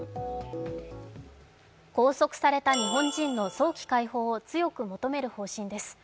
拘束された日本人の早期解放を強く求める方針です。